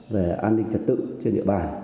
về an ninh trật tự trên địa bàn